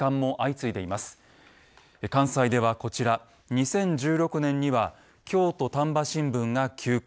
関西ではこちら２０１６年には京都丹波新聞が休刊